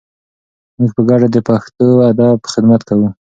موږ په ګډه د پښتو ادب خدمت کوو.